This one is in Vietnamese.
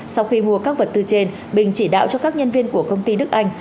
sau khi mua các vật tư trên bình chỉ đạo cho các nhân viên của công ty đức anh